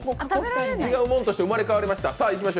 違うもんとして生まれ変わりました。